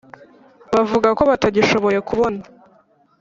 bavuga ko batagishoboye kubona.